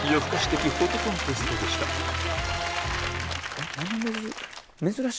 えっ？